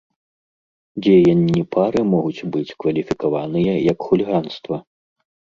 Дзеянні пары могуць быць кваліфікаваныя як хуліганства.